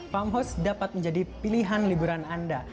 farmhouse dapat menjadi pilihan liburan anda